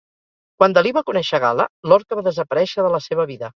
Quan Dalí va conèixer Gala, Lorca va desaparèixer de la seva vida.